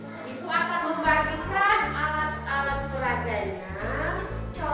itu akan membagikan alat alat suraganya